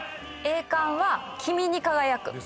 「栄冠は君に輝く」